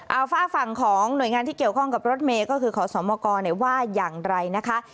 เอาฝากฝั่งของหน่วยงานที่เกี่ยวข้องกับรถเมย์ก็คือขอสมกรว่าอย่างไรนะคะ